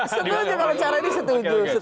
senangnya kalau cara ini setuju